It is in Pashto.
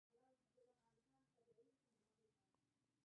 په افغانستان کې یاقوت د خلکو د اعتقاداتو سره تړاو لري.